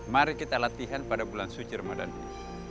mari kita latihan pada bulan suci ramadan ini